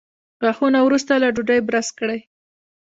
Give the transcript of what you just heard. غاښونه وروسته له ډوډۍ برس کړئ